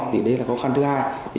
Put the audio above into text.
vì đấy là khó khăn thứ hai